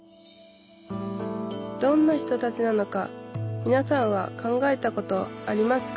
どんな人たちなのかみなさんは考えたことありますか？